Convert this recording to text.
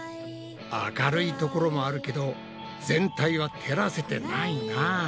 明るいところもあるけど全体は照らせてないなぁ。